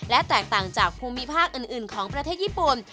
และแตกต่างจากภูมิภาคอื่นของประเทศญี่ปุ่น